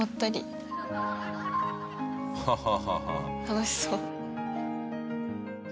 楽しそう。